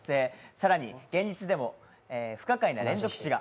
更に現実でも不可解な事件が。